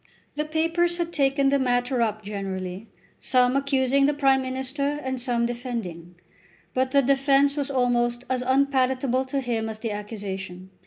The papers had taken the matter up generally, some accusing the Prime Minister and some defending. But the defence was almost as unpalatable to him as the accusation.